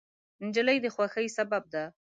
نجلۍ د خوښۍ سبب ده.